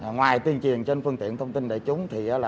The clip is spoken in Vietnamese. ngoài tuyên truyền trên phương tiện thông tin đại chúng